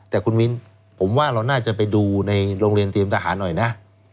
แต่คุณมิ้นผมว่าเราน่าจะไปดูในโรงเรียนเตรียมทหารหน่อยนะ